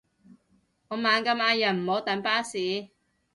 我猛咁嗌人唔好等巴士